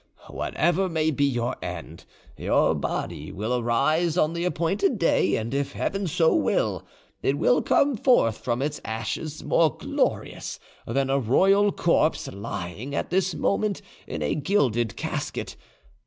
Whatever may be your end, your body will arise on the appointed day, and if Heaven so will, it will come forth from its ashes more glorious than a royal corpse lying at this moment in a gilded casket.